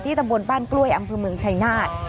ที่ตะโบนบ้านกล้วยอำพลเมืองชัยนาธ